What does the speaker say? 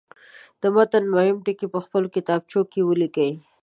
د متن مهم ټکي په خپلو کتابچو کې ولیکئ.